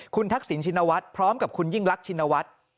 คุณทักษิณชินวัฒน์พร้อมกับคุณยิ่งรักชินวัฒน์